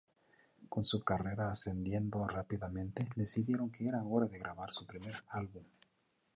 Con su carrera ascendiendo rápidamente, decidieron que era hora de grabar su primer álbum.